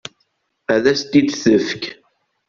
Ad as-t-id-tfek.